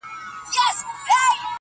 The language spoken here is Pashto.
سپینه ږیره سپین غاښونه مسېدلی،